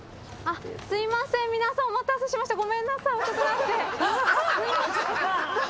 ［すると］お待たせしましたごめんなさい遅くなって。